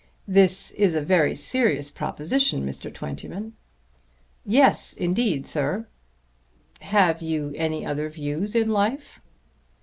"This is a very serious proposition, Mr. Twentyman." "Yes, indeed, sir." "Have you any other views in life?"